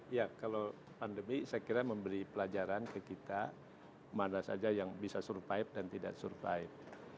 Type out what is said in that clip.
ya kalau pandemi saya kira memberi pelajaran ke kita mana saja yang bisa survive dan tidak survive